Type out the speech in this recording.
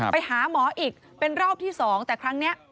ไปหาหมออีกเป็นรอบที่๒แต่ครั้งนี้